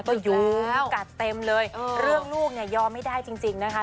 ก็ยุ้งกัดเต็มเลยเรื่องลูกเนี่ยยอมไม่ได้จริงนะคะ